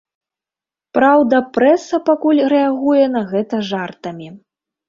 Праўда, прэса пакуль рэагуе на гэта жартамі.